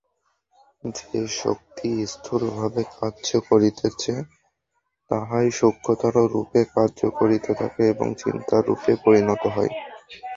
যে-শক্তি স্থূলভাবে কার্য করিতেছে, তাহাই সূক্ষ্মতররূপে কার্য করিতে থাকে এবং চিন্তারূপে পরিণত হয়।